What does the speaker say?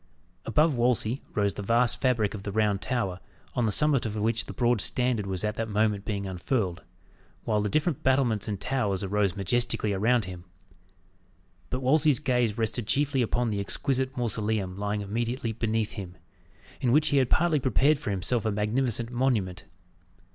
Above Wolsey rose the vast fabric of the Round Tower, on the summit of which the broad standard was at that moment being unfurled; while the different battlements and towers arose majestically around. But Wolsey's gaze rested chiefly upon the exquisite mausoleum lying immediately beneath him; in which he had partly prepared for himself a magnificent monument.